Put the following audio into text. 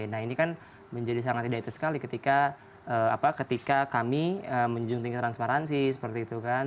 nah ini kan menjadi sangat tidak itu sekali ketika kami menjunjung ke transparansi seperti itu kan